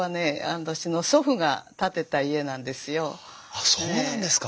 あっそうなんですか。